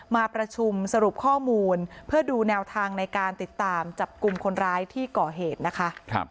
มาประชุมสรุปข้อมูลเพื่อดูแนวทางในการติดตามจับกลุ่มคนร้ายที่ก่อเหตุนะคะ